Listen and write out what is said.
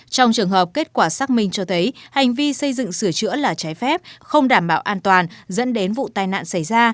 trong trường hợp kết quả xác minh cho thấy hành vi xây dựng sửa chữa là trái phép không đảm bảo an toàn dẫn đến vụ tai nạn xảy ra